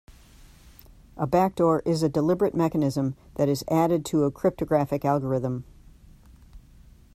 A backdoor is a deliberate mechanism that is added to a cryptographic algorithm.